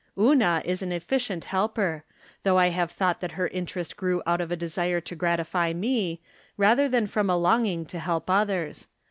Una is an efficient helper, though I have thought that her interest grew out of a deske to gratify me, rather than from a longing to help others.